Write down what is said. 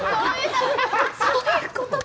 そういうことか。